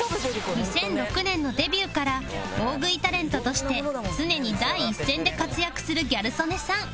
２００６年のデビューから大食いタレントとして常に第一線で活躍するギャル曽根さん